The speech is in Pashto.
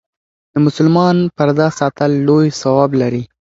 د مسلمان پرده ساتل لوی ثواب لري.